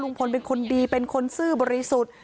เป็นคนดีเป็นคนซื่อบริสุทธิ์